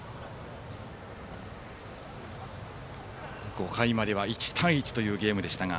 ５回までは１対１というゲームでしたが。